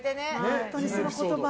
本当にその言葉。